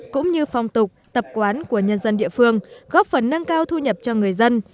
cũng như phong tục tập quán của nhân dân địa phương góp phần nâng cao thu nhập cho người dân